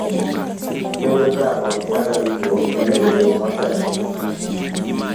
bedo dhako kata dichuo onego bed motelo